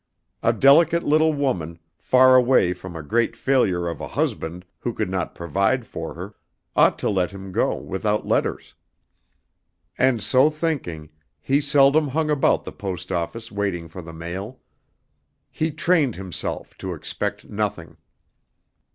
A delicate little woman, far away from a great failure of a husband who could not provide for her, ought to let him go without letters. And so thinking, he seldom hung about the post office waiting for the mail. He trained himself to expect nothing.